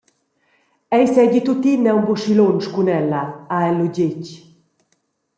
Ei seigi tuttina aunc buc aschi lunsch cun ella, ha el lu detg.